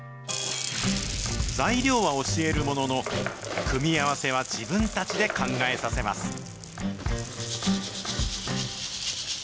材料は教えるものの、組み合わせは自分たちで考えさせます。